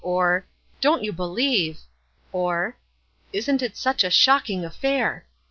" or "Don't you believe !" or " Isn't that such a shocking affair